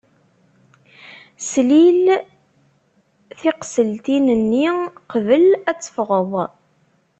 Slil tiqseltin-nni qbel ad teffɣeḍ.